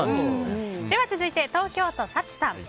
では続いて、東京都の方。